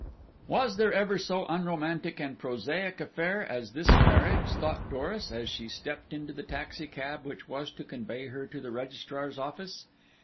Was there ever so unromantic and prosaic affair as this marriage, thought Doris, as she stepped into the taxicab which was to convey her to the registrar's office?